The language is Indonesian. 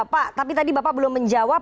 pak tapi tadi bapak belum menjawab